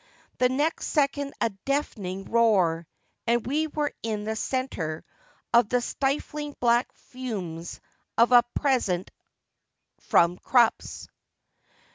The next second a deafening roar, and we were in the centre of the stifling black fumes of a present from Krupps.